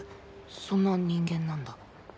そんな人間なんだ。